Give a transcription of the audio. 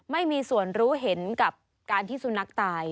ไม่มีส่วนรู้เห็นกับการที่สุนัขตาย